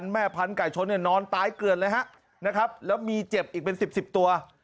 แม่พันธุไก่ชนเนี่ยนอนตายเกลือดเลยฮะนะครับแล้วมีเจ็บอีกเป็น๑๐๑๐ตัว